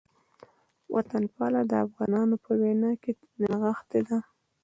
وطنپالنه د افغانانو په وینه کې نغښتې ده